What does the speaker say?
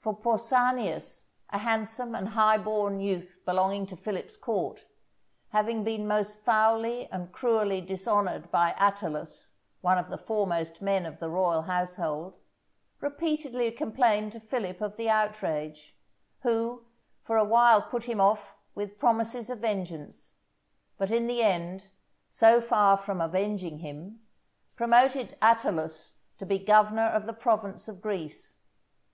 For Pausanias, a handsome and high born youth belonging to Philip's court, having been most foully and cruelly dishonoured by Attalus, one of the foremost men of the royal household, repeatedly complained to Philip of the outrage; who for a while put him off with promises of vengeance, but in the end, so far from avenging him, promoted Attalus to be governor of the province of Greece.